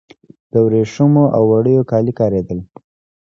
د وریښمو او وړیو کالي کاریدل